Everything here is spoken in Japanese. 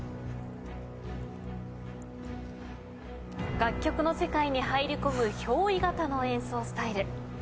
楽曲の世界に入り込む憑依型の演奏スタイル。